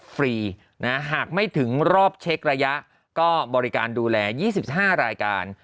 ฟรีหากไม่ถึงรอบเช็กระยะก็บริการดูแล๒๕รายการ